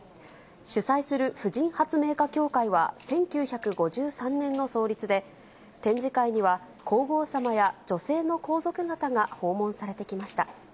主催する婦人発明家協会は１９５３年の創立で、展示会には皇后さまや女性の皇族方が訪問されてきました。